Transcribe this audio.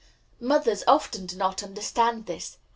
Mothers often do not understand this.